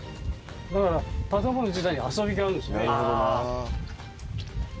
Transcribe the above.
だから建物自体に遊びがあるんですよね。